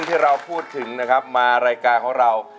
ที่เราพูดถึงนะครับมารายการของเรา